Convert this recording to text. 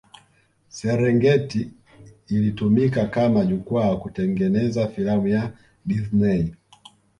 Serengeti ilitumika kama jukwaa kutengeneza filamu ya Disney